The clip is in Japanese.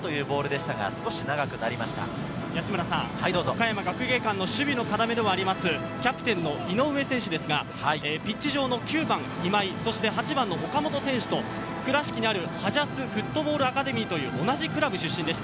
岡山学芸館の守備の要、キャプテンの井上選手ですが、ピッチ上の９番・今井、８番・岡本と、倉敷にあるハジャスフットボールアカデミーという同じクラブ出身です。